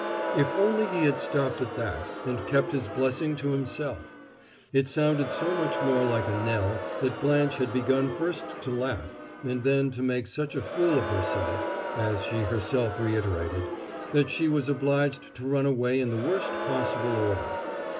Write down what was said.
If only he had stopped at that, and kept his blessing to himself! It sounded so very much more like a knell that Blanche had begun first to laugh, and then to make such a fool of herself (as she herself reiterated) that she was obliged to run away in the worst possible order.